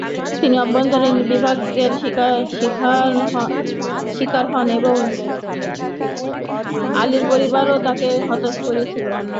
তিনি অভ্যন্তরীণ বিভাজনের স্বীকার হন এবং আলীর পরিবারও তাকে হতাশ করেছিল।